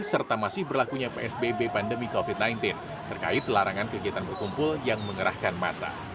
serta masih berlakunya psbb pandemi covid sembilan belas terkait larangan kegiatan berkumpul yang mengerahkan masa